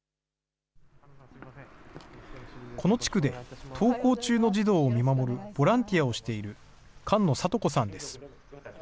この地区で、登校中の児童を見守るボランティアをしている菅野郷子さんです。